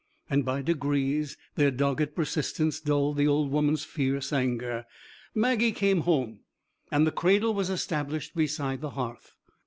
And by degrees their dogged persistence dulled the old woman's fierce anger. Maggie came home, and the cradle was established beside the hearth.